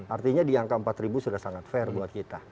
artinya di angka empat ribu sudah sangat fair buat kita